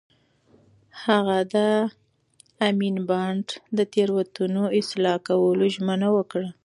هغه د امین بانډ د تېروتنو اصلاح کولو ژمنه وکړه.